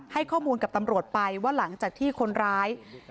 ให้ข้อมูลกับตำรวจไปว่าหลังจากที่คนร้าย